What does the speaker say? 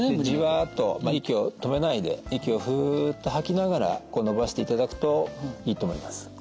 じわっと息を止めないで息をふっと吐きながら伸ばしていただくといいと思います。